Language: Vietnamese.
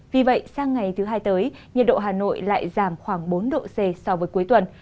vì vậy sang ngày thứ hai tới nhiệt độ hà nội lại giảm khoảng bốn độ c so với cuối tuần